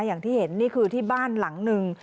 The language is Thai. อย่างที่เห็นนี่คือที่บ้านหลังหนึ่ง